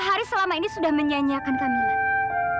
pak haris selama ini sudah menyanyikan kamila